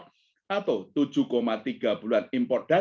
dan mencapai tujuh tiga bulan import